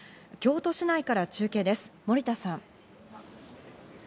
京都市内から中継です、森田さん。